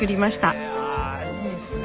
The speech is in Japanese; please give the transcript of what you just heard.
あいいですね